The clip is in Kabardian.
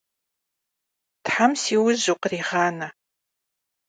Them si yauj vukhriğane!